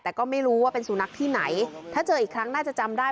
แต่ก็ไม่รู้ว่าเป็นสุนัขที่ไหนถ้าเจออีกครั้งน่าจะจำได้